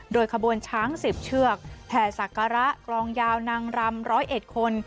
โดยขบวนช้าง๑๐เชือกแผ่สักการะกรองยาวนางรำ๑๐๑คน